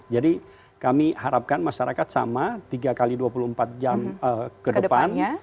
jadi kami harapkan masyarakat sama tiga x dua puluh empat jam ke depannya